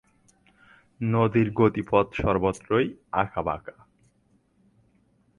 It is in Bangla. নদীর গতিপথ সর্বত্রই অাঁকা-বাঁকা।